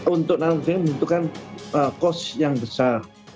untuk menanam kedelai itu kan kos yang besar